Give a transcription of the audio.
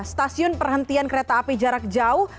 stasiun perhentian kereta api jarak jauh